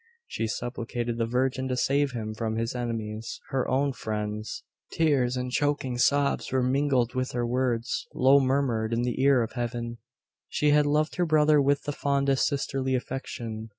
She supplicated the Virgin to save him from his enemies her own friends! Tears and choking sobs were mingled with her words, low murmured in the ear of Heaven. She had loved her brother with the fondest sisterly affection.